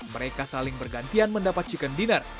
mereka saling bergantian mendapat chicken dinner